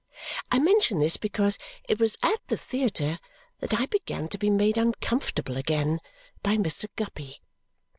I mention this because it was at the theatre that I began to be made uncomfortable again by Mr. Guppy.